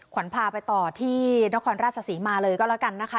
ขวัญพาไปต่อที่นครราชศรีมาเลยก็แล้วกันนะคะ